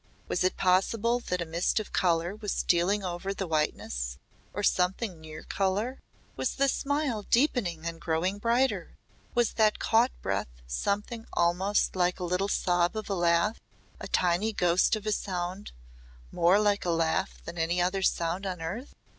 Was it possible that a mist of colour was stealing over the whiteness or something near colour? Was the smile deepening and growing brighter? Was that caught breath something almost like a little sob of a laugh a tiny ghost of a sound more like a laugh than any other sound on earth?